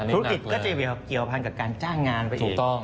ธุรกิจก็จะเกี่ยวพันกับการจ้างงานไปถูกต้อง